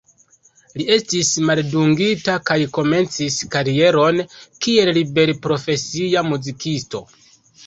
Li estis maldungita kaj komencis karieron kiel liberprofesia muzikisto.